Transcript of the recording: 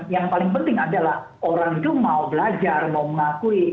yang paling penting adalah orang itu mau belajar mau mengakui